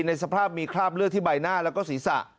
ในสภาพมีคราบเลือดที่ใบหน้าแล้วก็ศีรษะ